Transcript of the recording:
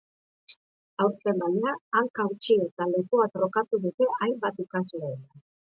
Aurten, baina, hanka hautsi eta lepoa trokatu dute hainbat ikaslek.